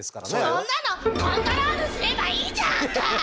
そんなのコントロールすればいいじゃんか！